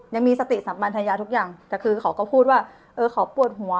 ยังมีสติสัมพันธญาทุกอย่างแต่คือเขาก็พูดว่าเออเขาปวดหัว